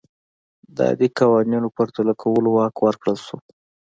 د عادي قوانینو پرتله کولو واک ورکړل شو.